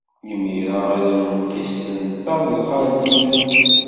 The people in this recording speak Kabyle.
Imir-a, ad am-qissen taẓɣelt-nnem.